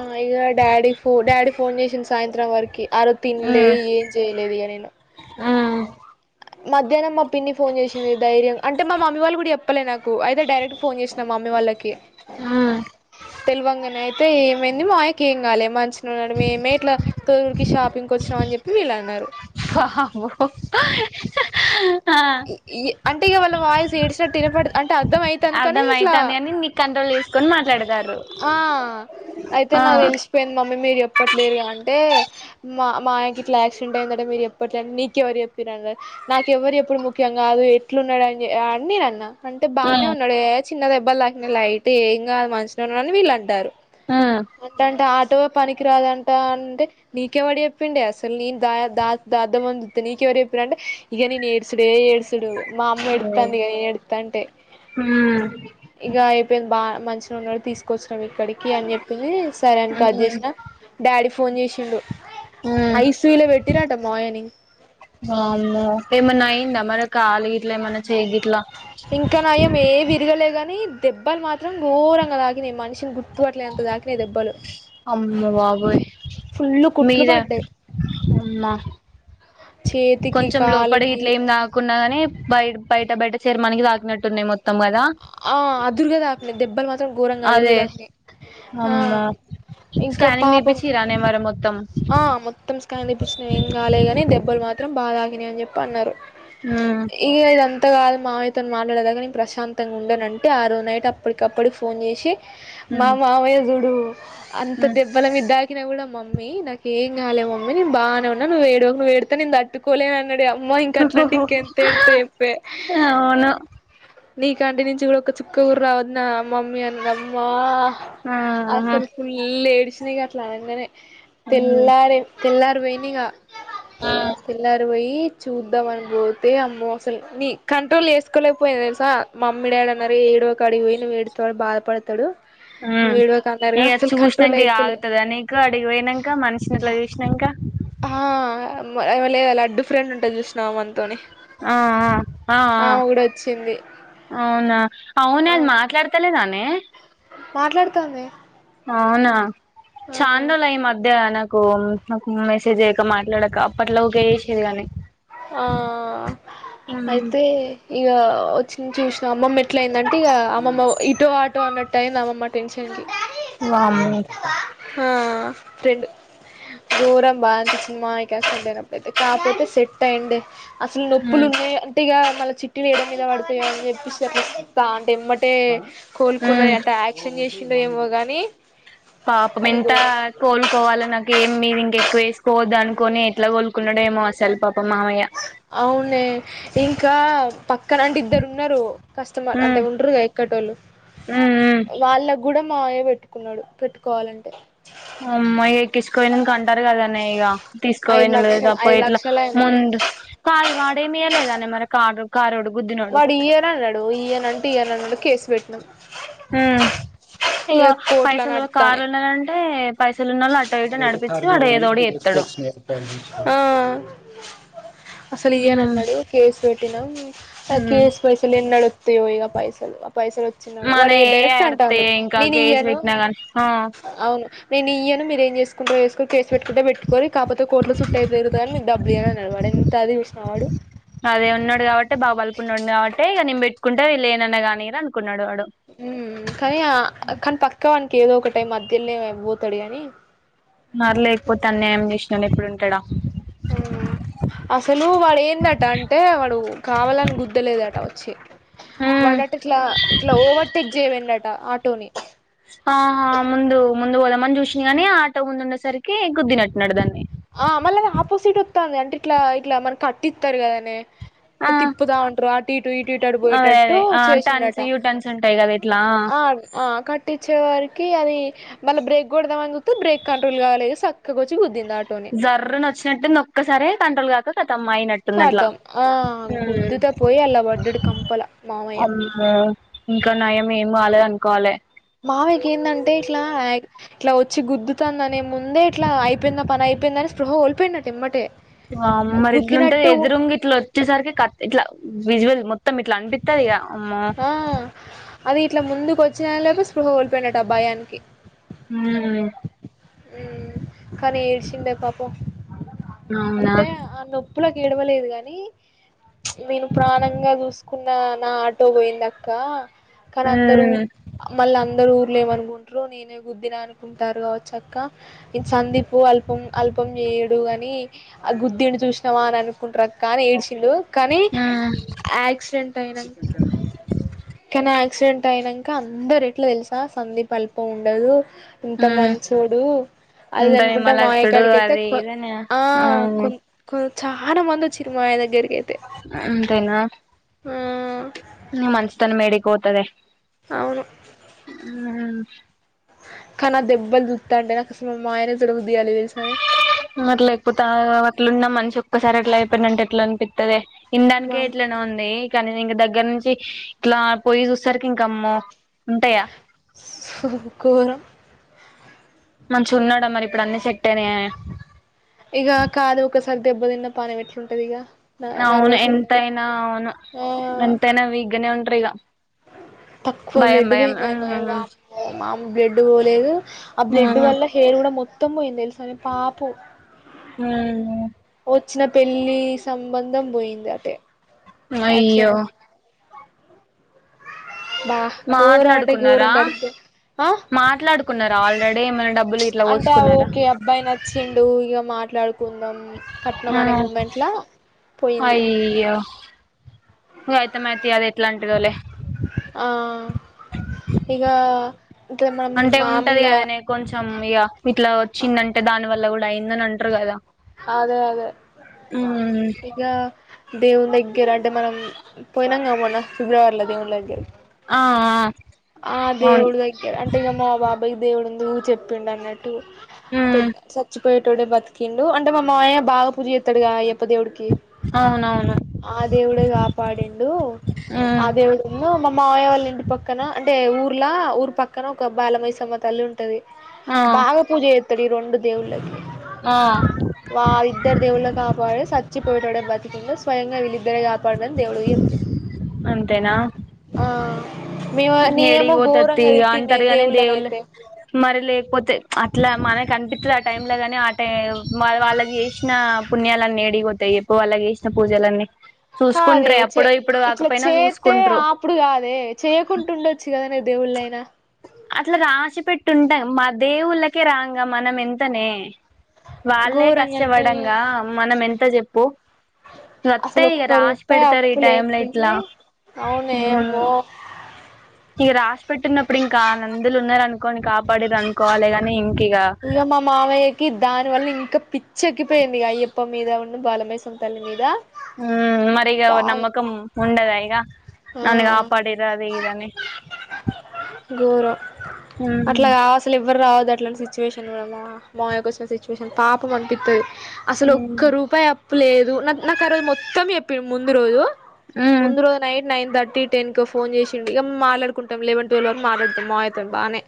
ఆ ఇగ డాడీ ఫో డాడీ ఫోన్ జేషిన్ సాయంత్రం వరకి ఆరోజ్ తిండ్లే బాబో ఏం జేయ్ లేదు ఇగ నేను మధ్యానం మా పిన్ని ఫోన్ జేషింది ధైర్యంగ అంటే మా మమ్మీ వాళ్ళు గుడ ఎప్పలే నాకు అయితే డైరెక్ట్ ఫోన్ చేసిన మా మమ్మీ వాళ్ళకి ఆ తెలవంగానే అయితే ఏమైంది మా [unintelligible] కు ఏం కాలే [unintelligible] ఉన్నాడు మే మే ఇట్లా [unintelligible] షాపింగ్కి వచ్చినం అని చెప్పి వీళ్ళు అన్నారు ఆ ఇ అంటే ఇగ వాళ్ళ వాయిస్ ఏడిసినట్ [unintelligible] అర్ధం అయితుంది కాని [unintelligible] కంట్రోల్ చేసుకొని మాట్లాడతారు ఆ అయితే ఆ [unintelligible] తెలిసిపోయింది మమ్మీ మీరు ఎప్పట్లేరుగా అంటే [unintelligible] నీకెవరు చెప్పి నాకు ఎవరు ఎప్పుడు ముఖ్యం కాదు ఎట్లున్నాడని అ నేన అన్న అంటే బానే ఉన్నడే చిన్న దెబ్బలు [unintelligible] లైట్ ఏం అ [unintelligible] ఉ అని వీళ్ళు అంటారు అంట అంటే ఆటో పనికి రాదంట అంటే నీకెవడి చెప్పిండి అసలు నీను దాద్దమ నీకెవడ చెప్పినంటే ఇక న ఏడ్ ఏడుసుడే ఏడుసుడు మా అమ్మ [unintelligible] అ ఇగ అయిపోయింది బాగా మంచిన ఉన్నాడు తీసుకొచ్చి [unintelligible] ఇక్కడికి అని చెప్పింది సరే అనికి కది చేసిన డాడీ ఫోన్ చేసిండు ఐ సూ [unintelligible] పెట్టినట మామయ్య ని వామ్మో ఏమన్నా అయిందా మరి కాలు గిట్ల ఏమన్నా చెయ్యి గిట్ల ఇంకా [unintelligible] విరగలేగానీ దెబ్బలు మాత్రం ఘోరంగా తాగినయి మనిషిని గుర్తుపట్లే [unintelligible] దెబ్బలు అమ్మ బాబోయ్ ఫుల్ కుట్లు పడ్డాయి [unintelligible] చేతికి కొంచెం లోపడి కాలికి ఇట్ల ఏమి తాకున్నాగాని బయ బయట బయట శరమానికి తాకినట్టున్నాయి మొత్తం కద ఆ అదురుగ దాకినాయి దెబ్బలు మాత్రం ఘోరంగ అదురుగు అదే దాకినాయి అమ్మో స్కానింగ్ [unintelligible] పాపం చరానే మరి మొత్తం ఆ మొత్తం స్కాన్ తెప్పించిన ఏం కాలే గాని దెబ్బలు మాత్రం బా తాకినాయి అని చెప్పి అన్నారు ఆ ఇక ఇది అంత కాాలదు మావియతో మాట్లాడేదాక నేను ప్రశాంతంగా ఉంనుంటే ఆ రోజు నైట్ అప్పటికప్పుటికి ఫోన్ చేసి మా హ్మ్ మావయ్య జుడు అంత హ్మ్ దెబ్బల మీ దాకినా కూడా మమ్మీ ఏం కాలే మమ్మీ నేను బాగానేన్నా [unintelligible] నేనుట్టుకోలేన అన్నాడు అమ్మా ఇంక అట్లాంటే ఇంకెంత ఏడుత చెప్పే అవును నీ కంటి నుంచి కూడా ఒక చుక్క రావద్ నా అమ్మమ్మ అని అమ్మా ఆహా అసలు ఫుల్ [unintelligible] అట్లా అనగానే హ్మ్ తెల్లరే తెల్లరు పోయింది ఇగ తెల్లారు పోయి చూద్దాం అని పోతే అమ్మో అసలు నీ కంట్రోల్ చెస్కోలేకపోయ [unintelligible] మా మమ్మీ డాడీ అన్నారు ఏడవకు అడిగి పోయి [unintelligible] డుతాడు బాధపడతాడు నువ్వు ఏడవకు అన్నారు కానీ అసలు కంట్రోల్ [unintelligible] అయితలే ఆగుతుది అ నక అడిగి పోయినాక మనిషి [unintelligible] ఇంక లడ్డు ఫ్రెండ్ ఉంటుది చూసినావ మనతోనే ఆ ఆ వచ్చింది అవునా అవునే అది మాట్లాడు తెలిదనే మాట్లాడతాందే అవునా [unintelligible] ఈ మధ్య నాకు మెసేజ్ చెయ్యక మాట్లాడక అప్పట్లో ఒకే [unintelligible] ఆ అయితే ఇక వచ్చిన చూసిన అమ్మమ్మ ఎట్ల అయిందంటే ఇక అమ్మమ్మ ఇటో ఆటో అన్నట్టు అయింది అమ్మమ్మ తెల్సింది. వామ్మో ఆ టెండ్ దూరం బాగనిపిచ్చింది, మావయ్యకి ఆ శబ్ద నప్పుడయితే, కాకపోతే సెట్ అయ్యిండె అసలు నొప్పులు హ్మ్ ఉన్నయ గట్టిగా మళ్ళ చిట్టీలు ఏయడం మీద బడుతయని జెప్పిసి, అట్ల స్తా అంటే ఎమ్మటే కోలుకున్న హ్మ్ యట యాక్షన్ జేసిండో ఏమో గని పాపం ఎంతా? కోలుకోవాల నాకు ఏం మీది ఇంకెక్కువ ఏసుకోవద్దు అనుకొని, ఎట్ల కోలుకున్నడో ఏమో! అసలు పాపం మావయ్య. అవునే, ఇంకా పక్కన అంటే ఇద్దరు ఉన్నరు. కస్టమర్ ఉమ్ అంటే ఉంటరుగా క్కటోళ్ళు, ఉమ్ ఉమ్ వాళ్ళకు గూడా మావయ్య బెట్టుకున్నడు, పెట్టుకోవాలంటే అమ్మాయి ఎక్కించుకు వొయినంక, అంటరు గదనే ఇగా తీసుకో ఐదు బొయినో లేదో, లక్షలు అప్పో ఐదు ఎట్లా? లక్షలు అయినాయే ముందు కాదు, వాడేమీయలేదనే మరి ఆ కాగ్ కారోడు గుద్దిన్ వాడు ఇయ్యనన్నడూ, ఇయ్యనంటే ఇయ్యనన్నడు, కేసు బెట్టినం. ఊ, ఇగ కోర్టుల పైసలూ, కారు నడుత్తానయ్ ఉన్నదంటే పైసలు ఉన్నోళ్ళను అటో ఇటో లేటు నడిపిచ్చి, సార్కు వాడు పోయి ఏదో ఒకటి జేత్తడు. ఎక్స్పోర్ట్స్ ఆ అసలు ఇయ్యనన్నడు ఉమ్ కేసు బెట్టినం, ఆ కేసు పైసలు ఎన్నడొత్తయో! ఇగ పైసలు అవ పైసలు ఒచ్చిన వాడు మన వాడు ఏ డైరెక్ట్ ఆడితే అంటాండు, ఇంకా కేసు నేనియ్యను పెట్టినా గాని ఆ అవును. నేను ఇయ్యను, మీరు ఏం జేసుకుంటరో జేసుకొని, కేసు బెట్టుకుంటే బెట్టుకోరి, కాపోతే కోర్టులో సుట్టు అయిపోయిన్రు గదా? నేను డబ్బులియ్యనని, అన్నడు వాడు ఎన్ తాగి జూసినవాడు అదే ఉన్నడు గాబట్టేె, బాగ బలుపు ఉన్నోడు గాబట్టే, ఇగ నేను బెట్టుకుంట ఈళ్ళు ఏనన్నా గానీ అనుకున్నడు వాడు. కనీ, ఆ కనీ పక్క ఆనికి ఏదో ఒక టై, మధ్యల్నే అయి బోతడు గనీ మరి లేకపోతే, అన్యాయం చేసినోడు ఎప్పుడుంటడా? అవునా? అసలూ వాడు ఏందట అంటే, వాడూ కావాలని గుద్దలేదట అచ్చి ఉమ్ వాడట ఇట్లా ఇట్లా ఓవర్టేక్ జెయ్యబొయ్యిండట ఆటోని ఆహా! ముందు ముందు పోదామని జూసిండు గనీ, ఆటో ముందు ఉన్నసరికీ గుద్దినట్టున్నడు దాన్ని ఆ మళ్ళ ఆపోసిట్ ఒత్తాంది, అంటే ఇట్లా ఇట్లా మన కట్టి ఇత్తరు కదనే ఆ తిప్పుతా ఉంటరు, అటు ఇటు ఇటు ఇటు అటు అదే బోయేటట్టూ అదే ఆ టన్స్ చేసిండట. యూ టన్స్ ఉంటాయి కదా ఇట్లా ఆ ఆ కట్టిచ్చే వారికి, అవీ మళ్ళి బ్రేక్ కొడదామని జూ త్తె బ్రేక్ కంట్రోల్గాలేదు, సక్కగొచ్చి గుద్దింది ఆట్ సర్రున ఒచ్చినట్టునొక్కసారే కంట్రోల్ గాక, ఖతం అయినట్ ఖతం ఆ గుద్దుతె, పోయి అల్ల బడ్డడు, కంపల మావయ్య. ఆ ఇంకా నయం ఏమి గాలేదు అనుకోవాలే. మావయ్యకి ఏందంటే, ఇట్లా ఇట్లా వొచ్చి, గుద్దుతాందనే ముందే ఇట్లా అయిపోయింది నా పని అయిపోయిందని, స్పృహ గోల్పోయిండట ఎమ్మటే. ఆ మరి ఇట్లుంటే, గుద్దినట్టు ఎదురుంగ ఇట్ల ఒచ్చేసరికి, క ఇట్లా విజువల్ మొ త్తం ఇట్ల అంటిత్తది ఇగ అమ్మో! ఆ అది ఇట్లా ముందుకు వచ్చినల్లోపె, స్పృహ గోల్పోయిండట ఆ బయానికి ఊమ్ కనీ ఏడ్చిండే పాపం. అవునా అంటే ఆ నొప్ పులకు ఏడవలేదు గనీ, నేను ప్రాణంగా జూసు కున్నా నా ఆటో బోయిందక్కా. కనీ అందరూ ఉమ్ మళ్ళ అందరూ ఊర్లో ఏమనుకుంట్రో, నేనే గుద్దిన అనుకుంటార్రు గావచ్చక్కా ఇ సందిపు అల్పం అల్పం జేయడు అని ఆ గుద్దిన్డు చూసినవా అని అనుకుంటరక్కా అని ఎడిషిండు కని ఉమ్ ఆక్ డెంటయినంక్ కనీ యాక్సిడెంట్ అయినంక అందరు ఎట్లా దెలుసా సందీప్ అల్పముండదు ఎంత ఉమ్ మంచోడు అది ఉంటనే అనుకుంటా మావయ్య మలస్తుడు కాడికైతే అది కొ ఇదనే ఆ అవును కొన్ కొ చాలా మంది వచ్చిర్రు మావయ్య దగ్గరకైతే అంతేనా ఆ న మంచి తనమేడికి పోతదే అవును ఉమ్ కనా దెబ్బలు జూత్తాంటే నాకసలు మా మావయ్యనే జూడబుద్ధి గాలే దెల్సానే మరి లేకపోతే ఆ అట్లున్న మనిషి ఒక్కసారట్లా అయిపోయిండంటే ఎట్లనిపిత్తదే ఇనడానికే ఎట్లనో వామ్మో ఉంది కనీ నేనింగ దగ్గర నుంచి ఇట్లా పొయ్యి చూస్సరికి ఇంక అమ్మో ఉంటయా ఘోరం మంచిగున్నడా మరిప్పుడు అన్ని సెట్టయినయానె ఇగా కాదు ఒకసారి దెబ్బతిన్న పానం ఎట్లుంటదిగ అవును ఎంతైనా అవును ఆ ఎంతైనా వీగ్గనే ఉంటరిగా తక్కువ బ్లడ్ పోయిందనే ఉమ్ వామ్మో మామ్ బ్లడ్ పోలేదు ఆ బ్లడ్ ఉమ్ వల్ల హేర్ గూడా మొత్తం పోయిందెల్సానే పాపం ఉమ్ హ్ వచ్చిన పెళ్ళి సంబంధం పోయింది అటే అయ్యో యాక్సిడెంట్ బ్బ ఘోరమంటే ఘోరం పడీద్దె మాట్లాడుకున్నరా ఆల్రెడీ ఏమన్న డబ్బులు గిట్లా అంటే పోసుకున్నరా ఓకే అబ్బాయి నచ్చిండు ఇగ మాట్లాడుకుందాం కట్నం అనే మూమెంట్లా పోయింది అయ్యో ఇగ అయితే మాయేతీ అదేట్లాన్టిదోలే ఆ ఇగా గ మం అంటే ఉంటది మాముూలుగా కదనే కొంచెం ఇగా ఇట్లా వచ్చిందంటే దాని వల్ల గూడా అయిందని అంటరు గదా అదే అదే ఇగా దేవుని దగ్గర అంటే మనం పోయినంగా మొన్న ఫిబ్రవరిల దేవుల్లగ్ ఆ ఆ దేవుడుదైత్ చి గద అంటే ఇగ మా బాబాయ్ దేవుడుందు చెప్పిండు అన్నట్టు ఉమ్ పెద్ సచ్చి పోయేటోడే బతికిండు అంటే మా మావయ్య బాగా పూజ చేత్తడుగా అయ్యప్ప దేవుడికి అవునవును ఆ దేవుడే గాపాడిండు ఉమ్ ఆ దేవుడు మా మావయ్య వాళ్ళ ఇంటి పక్కన అంటే ఊర్లా ఊరు పక్కన ఒక బాలమైసమ్మ తల్లి ఉంట్ టది ఆ బాగ పూజ జెత్తడు ఈ రొండు దేవుల్లకి ఆ వా ఇద్దరు దేవుళ్ళే కాపాడిర్ సచ్చిపోయేటోడే బతికిండు స్వయంగా వీళ్ళిద్దరేగాప్ పడింరని దేవుడికి జెప్పిండు అంతేనా ఆ మేమో ఏడికి నేనేమో పోతది తీ ఘోరంగ ఇగ తిట్టిన్నే అంటారు గాని దేవుళ్ళు దేవుళ్ళనైతే మరి లేకపోతే అట్ల మనకనిపిత్తది ఆ టైమ్ లగని ఆ టై మరి వాళ్ళకి జేసిన పుణ్యాలన్నీ ఏడివోతయి చెప్పు వాళ్ళక్ చేసినా పూజలన్నీ కాదే చూసుకంట్రే అప్పుడో ఇప్పుడు కాకపోయినా చూసుకుంట్రు ఇప్పుడు కాదే చేయకుంటుండొచ్చు కదానే దేవుళ్ళైనా అట్లా రాశి పెట్టుంటా మా దేవుళ్ళకే రాంగ మనం ఎంతనే వాళ్ళే ఘోరంగా అంటే కష్టపడంగా మనం ఎంత చెప్పు అసలు రత్తే ఇగ ఒక్క రాశి రూపాయి పెడతారు ఈ అప్పు టైమ్ల ఇట్లా లేనిడికి హు అవునేమో ఇక రాసి పెట్టిన్నప్పుడు ఇంకా నందులున్నారు అనుకోని కాపాడిరు అనుకోవాలి గాని ఇంక ఇగ ఇగ మా మామయ్యకి దాని వల్ల ఇంకా పిచ్చి ఎక్కిపోయింది అయ్యప్ప మీద ఉన్నూ బాలమయసం తల్లి మీద హు మరిగ బాగా నమ్మకం ఉండదా ఇగ ఆ నన్ను కాపాడిరు అది ఇదని ఘోరం హు అట్లా అసలు ఏవ్వర్ రావొద్దు అట్లాంటి సిచ్యువేషన్ కూడా మా మావయ్యకోచ్చిన సిచువేషన్ పాపం అనిపిత్తది అసలు ఉమ్ ఒక్క రూపాయి అప్పులేదు నాక్ నాకు ఆ రోజు మొత్తం చెప్పింరూ ముందు రోజు ఉమ్ ముందు రోజు నైట్ నైన్ థర్టీ టెన్ కో ఫోన్ చేసిండు ఇగా మాట్లాడుకుంటాం లెవేన్ ట్వెల్వ్ వరకు మాటాడుతాం మావయి బానే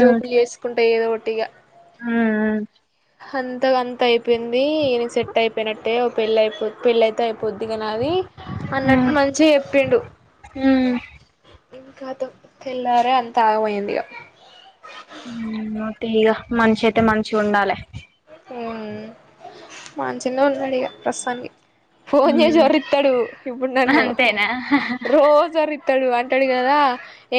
జోకలు చేసుకుంటే ఏదో ఒటిగా ఆ అంత గంత అయిపోయింది ఇగ నేన్ సెట్ అయిపోయినట్టే ఓ పెళ్ళి అయిపో పెళ్ళి అయితే అయిపోద్ది ఇగ నాది అన్నట్టు మంచిగా చెప్ హుమ్ తెల్లారే అంత ఆగమైంది ఇగ మోతిగా మనిషయితే మంచిగుండాలే ఉ మంచిన్నే ఉన్నాడు ఇగ ప్రస్తుతానికి ఫోన్ చేసి ఉమ్ ఓరిస్తాడు ఇప్పుడు నన్ను అంతేనా రోజు ఓ తాడు అంటాడు కదా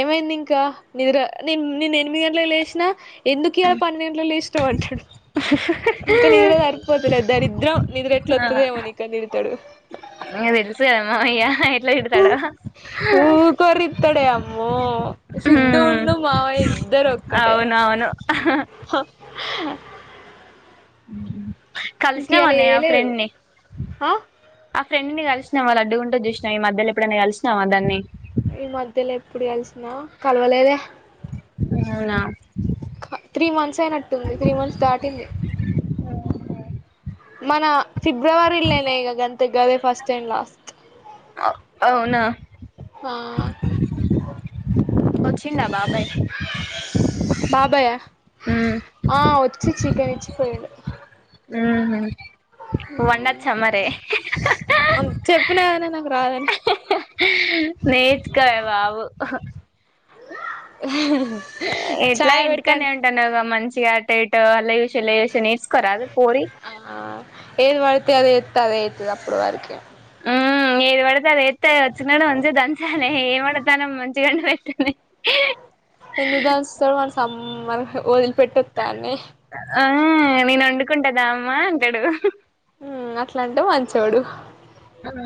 ఏమైంది ఇంకా నిద్ర నిన్ నిన్ ఎనిమిది గంటల లేసినా ఎందుకు ఇయాలా పన్నెగంటలకు లెషినావ్ అంటాడు ఆహ ఇంకా నిద్ర సరిపోతలే దరిద్రం నిద్ర ఎట్లొతదేమో అని తిడతాడు నిక్ తెలుసు కదా మావయ్య ట్లా తడడా హు ఊకోరిత్తడే అమ్మో సిద్ధు ఉండు మావయ్య ఇద్దరు ఒక్కటే అవునవును ఇంక ఇయాల కలిసివన్నయా చేయలేదు ఫ్రెండ్ ని ఆ ఆ ఫ్రెండ్ కలిసినవ లడ్డుగుంటది చూసినావ ఈ మధ్యలో ఎప్పుడన్న కలిసినావా దాన్ని ఈ మధ్యలో ఎప్పుడు కలిసినా కలవలేదా అవునా త్రీ మంత్స్ అయినట్టుంది త్రీ మంత్స్ దాటింది మన ఫిబ్రవరిలేనేనే ఇగ గంతే గదే ఫస్ట్ అండ్ లాస్ట్ ఆ అవునా హా వచ్చిండా బాబాయ్ బాబాయా ఆ వచ్చి చికెన్ ఇచ్చిపోయిండు ఉ బండచ్చా మరి చెప్పినాగదనే నాకు రాదని నేర్చుకోవే బాబు ఎట్లాగా చాయ్ ఇంటికాడ్నే పెట్టంటే ఉం టన మంచిగ అటో ఇటో అల్ల జూసి ఇళ్లా జూసి నేర్సుకో రాదు పోరి ఏది వడితే అదే చేత్తే అదే అయితది అప్పుడు వరకి ఆ ఏది పడతే అది ఏత్తే వచ్చినోడు మంచిగ దంచాలే, ఏం వండుతాన్నవ్ మంచిగన పెట్టుని ఎందుదాస్తవ్ అని సం వదిలిపెట్టత్తాన్నే ఆ నేను వండుకుంట దా అమ్మా అంటడు ఉమ్ అట్లంటే మంచోడు ఉమ్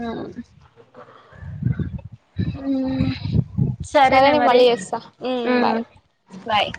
ఉమ్ సరే సరేనే నేను మరి, మళ్ళీ చేస్తా ఉమ్ బాయ్ బాయ్